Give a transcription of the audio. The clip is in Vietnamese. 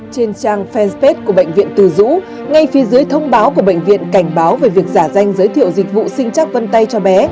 trên trang fanpage của bệnh viện từ dũ ngay phía dưới thông báo của bệnh viện cảnh báo về việc giả danh giới thiệu dịch vụ sinh chắc vân tay cho bé